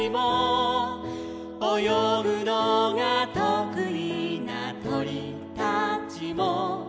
「およぐのがとくいなとりたちも」